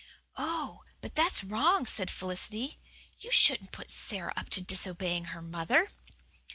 "Oh, but that's wrong," said Felicity. "You shouldn't put Sara up to disobeying her mother."